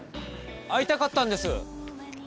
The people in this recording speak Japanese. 会いたかったんです。